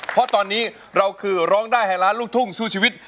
เพราะตอนนี้เราคือร้องได้ให้ล้านลูกทุ่งสู้ชีวิต